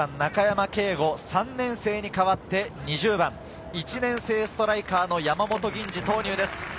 ９番の中山桂吾、３年生に代わって２０番、１年生ストライカーの山本吟侍投入です。